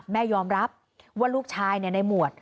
แม่ยอมรับว่าลูกชายในหมวด